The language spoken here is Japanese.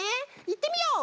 いってみよう！